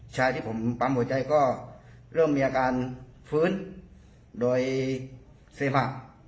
ชายที่ผมปั๊มหัวใจก็เริ่มมีอาการฟื้นโดยเสมหะ